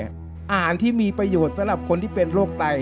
อาหารที่มีประโยชน์สำหรับคนที่เป็นโรคไต